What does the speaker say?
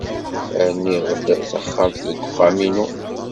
Rniɣ-d taxxamt deg wexxam-inu.